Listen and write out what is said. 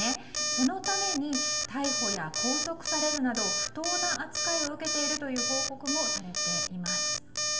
そのために逮捕や拘束されるなど不当な扱いを受けているという報告もされています。